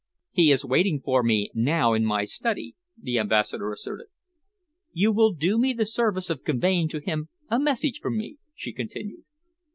"He is waiting for me now in my study," the Ambassador asserted. "You will do me the service of conveying to him a message from me," she continued.